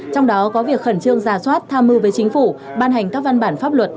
trong đó có việc khẩn trương giả soát tham mưu với chính phủ ban hành các văn bản pháp luật